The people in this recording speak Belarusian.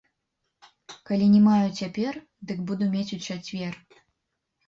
Калі не маю цяпер, дык буду мець у чацвер.